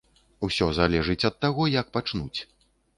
Усё залежыць ад таго, як пачнуць.